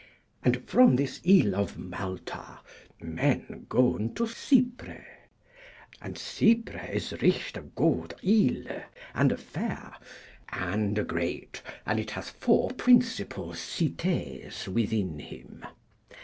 And from this Ile of Malta Men gon to Cipre. And Cipre is right a good Yle, and a fair, and a great, and it hath 4 principal Cytees within him.